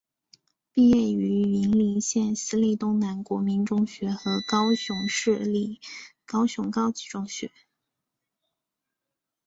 毕业于云林县私立东南国民中学和高雄市立高雄高级中学。